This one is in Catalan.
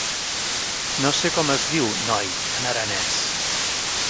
No sé com es diu noi en aranès.